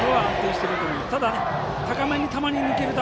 ただ、高めに球に抜ける球